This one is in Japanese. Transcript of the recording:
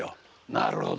なるほど。